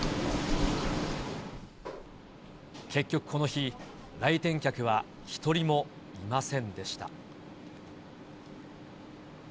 結局この日、来店客は一人もいませんでした。